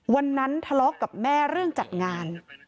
วันนั้นทะเลาะกับแม่เรื่องจัดงาน